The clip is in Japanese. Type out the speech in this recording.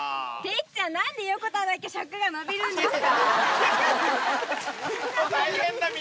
てっちゃん、なんで横田だけ尺が延びるんですか？